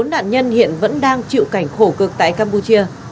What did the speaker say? bốn nạn nhân hiện vẫn đang chịu cảnh khổ cực tại campuchia